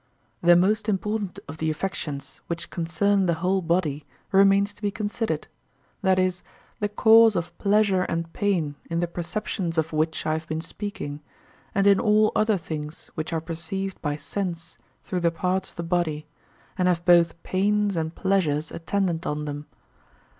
The most important of the affections which concern the whole body remains to be considered—that is, the cause of pleasure and pain in the perceptions of which I have been speaking, and in all other things which are perceived by sense through the parts of the body, and have both pains and pleasures attendant on them.